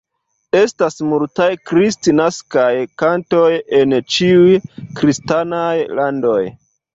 Estas multaj kristnaskaj kantoj en ĉiuj kristanaj landoj.